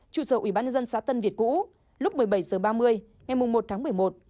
trụ sở ủy ban nhân dân xã tân việt cũ lúc một mươi bảy h ba mươi ngày một tháng một mươi một